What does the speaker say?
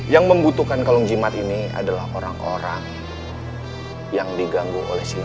yang membutuhkan kalung jimat ini adalah orang orang yang diganggu oleh sini